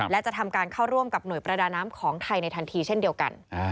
และจะทำการเข้าร่วมกับหน่วยประดาน้ำของไทยในทันทีเช่นเดียวกัน